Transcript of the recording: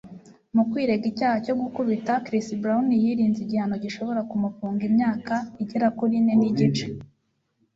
Mu kwirega icyaha cyo gukubita, Chris Brown yirinze igihano gishobora kumufunga imyaka igera kuri ine nigice.